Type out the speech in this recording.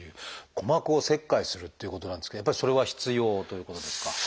鼓膜を切開するっていうことなんですけどやっぱりそれは必要ということですか？